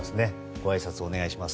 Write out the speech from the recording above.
ごあいさつをお願いします。